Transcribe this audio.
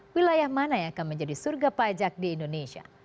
wilayah mana yang akan menjadi surga pajak di indonesia